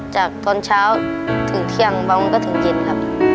จากตอนเช้าถึงเที่ยงบางวันก็ถึงเย็นครับ